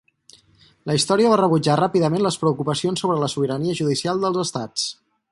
La història va rebutjar ràpidament les preocupacions sobre la sobirania judicial dels estats.